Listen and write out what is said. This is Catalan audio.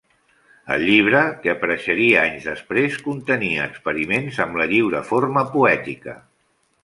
El llibre, que apareixeria anys després, contenia experiments amb la lliure forma poètica.